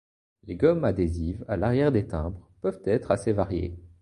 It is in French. Les gommes adhésives à l'arrière des timbres peuvent être assez variées.